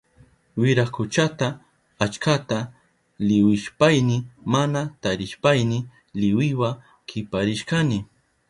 Wirakuchata achkata liwishpayni mana tarishpayni liwiwa kiparishkani.